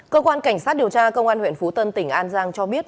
cơ quan cảnh sát điều tra công an huyện phú tân tỉnh an giang cho biết